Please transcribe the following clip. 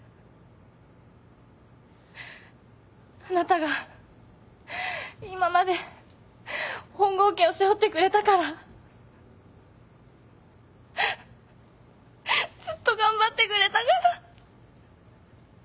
あなたが今まで本郷家を背負ってくれたからずっと頑張ってくれたから。